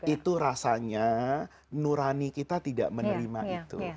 itu rasanya nurani kita tidak menerima itu